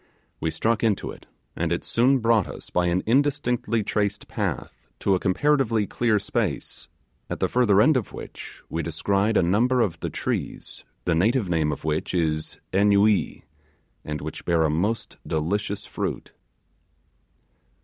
We struck into it, and it soon brought us by an indistinctly traced path to a comparatively clear space, at the further end of which we descried a number of the trees, the native name of which is 'annuee', and which bear a most delicious fruit.